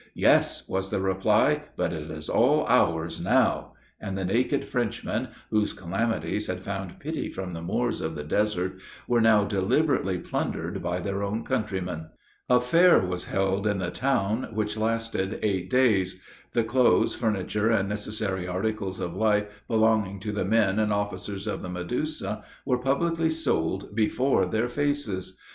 "Yes," was the reply, "but it is all ours now;" and the naked Frenchmen, whose calamities had found pity from the Moors of the desert, were now deliberately plundered by their own countrymen. A fair was held in the town, which lasted eight days. The clothes, furniture, and necessary articles of life belonging to the men and officers of the Medusa, were publicly sold before their faces.